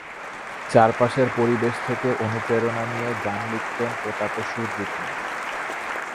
চারপাশের পরিবেশ থেকে অনুপ্রেরণা নিয়ে গান লিখতেন ও তাতে সুর দিতেন।